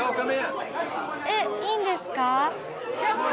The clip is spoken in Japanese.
えっいいんですか？